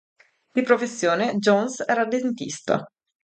Di professione, Jones era dentista.